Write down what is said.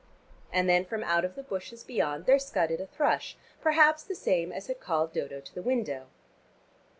And then from out of the bushes beyond there scudded a thrush, perhaps the same as had called Dodo to the window.